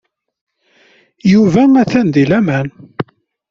Yuba atan di laman.